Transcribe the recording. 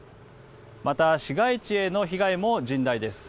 また、市街地への被害も甚大です。